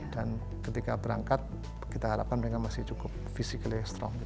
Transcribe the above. dan ketika berangkat kita harapkan mereka masih cukup physically strong gitu